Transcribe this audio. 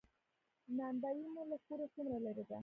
نان بایی مو له کوره څومره لری ده؟